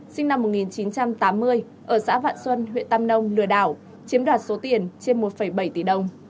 sinh năm một nghìn chín trăm tám mươi ở xã vạn xuân huyện tam nông lừa đảo chiếm đoạt số tiền trên một bảy tỷ đồng